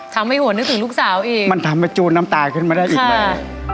หัวนึกถึงลูกสาวอีกมันทำให้จูนน้ำตาขึ้นมาได้อีกไหม